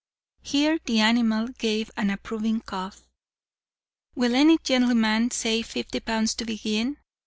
Here the animal gave an approving cough. 'Will any gentleman say fifty pounds to begin?'